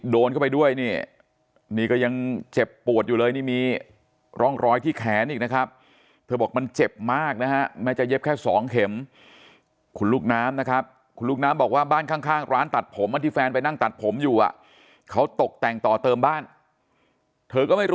ดีที่จังหวะเธอก้มไปแบบนิดนึงอ่ะเนาะ